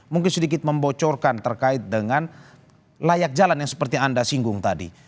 mungkin sedikit membocorkan terkait dengan layak jalan yang seperti anda singgung tadi